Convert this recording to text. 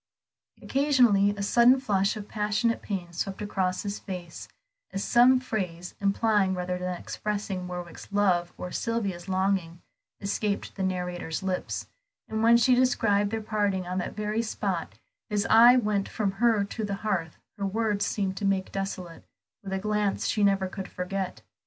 Occasionally a sudden flush of passionate pain swept across his face, as some phrase, implying rather than expressing Warwick's love or Sylvia's longing, escaped the narrator's lips, and when she described their parting on that very spot, his eye went from her to the hearth her words seemed to make desolate, with a glance she never could forget.